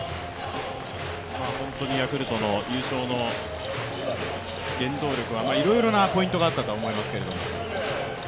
ヤクルトの優勝の原動力は、いろいろなポイントがあったと思うんですが。